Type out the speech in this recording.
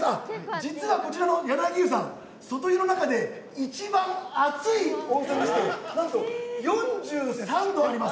実は、こちらの柳湯さん外湯の中で一番熱い温泉でしてなんと４３度あります。